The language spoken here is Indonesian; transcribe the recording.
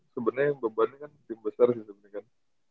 sebenernya yang beban kan tim besar sih sebenernya kan